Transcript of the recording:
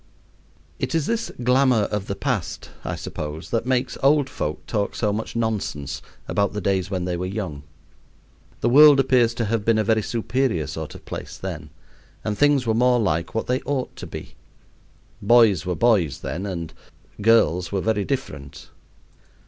It is this glamour of the past, I suppose, that makes old folk talk so much nonsense about the days when they were young. The world appears to have been a very superior sort of place then, and things were more like what they ought to be. Boys were boys then, and girls were very different.